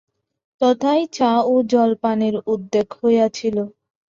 তথায় চা ও জলপানের উদ্যোগ হইয়াছিল।